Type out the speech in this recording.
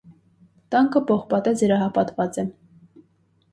Տանկը պողպատե զրահապատված է։